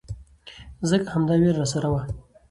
ځکه همدا ويره راسره وه.